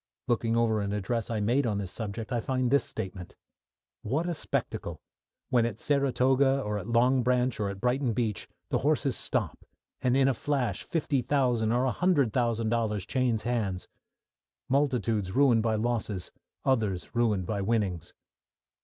Looking over an address I made on this subject, I find this statement: "What a spectacle when, at Saratoga, or at Long Branch, or at Brighton Beach, the horses stop, and in a flash $50,000 or $100,000 change hands multitudes ruined by losses, others, ruined by winnings."